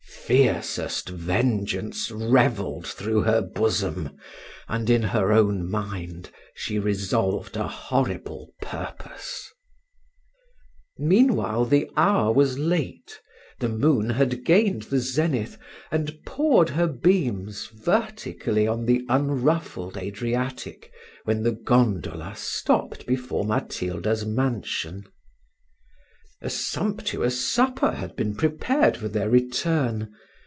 Fiercest vengeance revelled through her bosom, and, in her own mind, she resolved a horrible purpose. Meanwhile, the hour was late, the moon had gained the zenith, and poured her beams vertically on the unruffled Adriatic, when the gondola stopped before Matilda's mansion. A sumptuous supper had been prepared for their return.